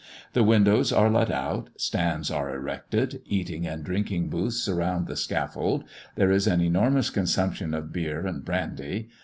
The windows are let out, stands are erected, eating and drinking booths surround the scaffold; there is an enormous consumption of beer and brandy.